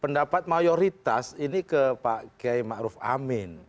pendapat mayoritas ini ke pak kiai ma'ruf amin